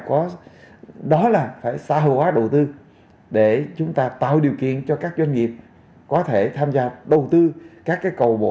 xã hội hóa đầu tư để chúng ta tạo điều kiện cho các doanh nghiệp có thể tham gia đầu tư các cầu bộ